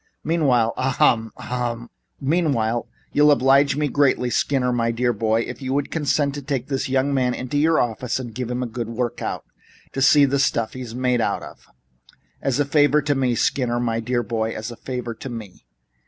Meanwhile ahem! hum m m! Harumph! meanwhile, you'd oblige me greatly, Skinner, my dear boy, if you would consent to take this young man into your office and give him a good work out to see the stuff he's made of. As a favor to me, Skinner, my dear boy, as a favor to me."